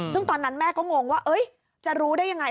ซึ่งตอนนั้นแม่ก็งงว่าจะรู้ได้ยังไง